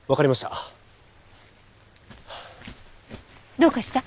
どうかした？